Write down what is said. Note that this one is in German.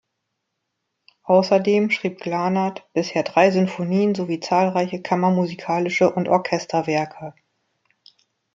Außerdem schrieb Glanert bisher drei Sinfonien sowie zahlreiche kammermusikalische und Orchesterwerke.